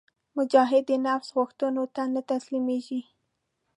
مجاهد د نفس غوښتنو ته نه تسلیمیږي.